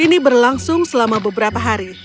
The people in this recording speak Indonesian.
ini berlangsung selama beberapa hari